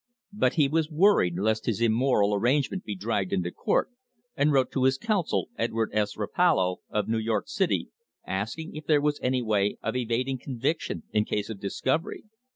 But he was worried lest his immoral arrangement be dragged into court, and wrote to his counsel, Edward S. Rapallo, of New York City, asking if there was any way of evading conviction in case of discovery.